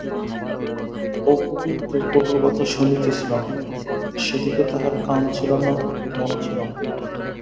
অপু কিন্তু পটুর কথা শুনিতেছিল না, সেদিকে তাহার কান ছিল না-মনও ছিল না।